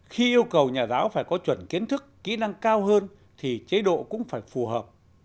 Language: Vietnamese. khi yêu cầu nhà giáo phải có chuẩn kiến thức kỹ năng cao hơn thì chế độ cũng phải phù hợp